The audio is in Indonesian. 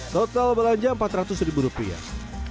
total belanja empat ratus ribu rupiah